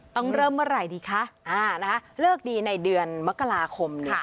ต้องเริ่มเมื่อไรดีคะอ่านะคะเลือกดีในเดือนมกราคมค่ะ